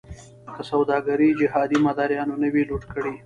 که سوداګري جهادي مداریانو نه وی لوټ کړې.